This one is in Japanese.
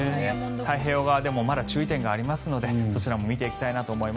太平洋側でもまだ注意点がありますのでそちらも見ていきたいと思います。